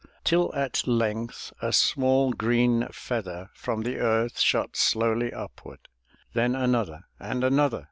Till at length a small green feather From the earth shot slowly upward, Then another and another.